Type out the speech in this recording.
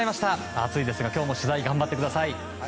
暑いですが今日も取材頑張ってください。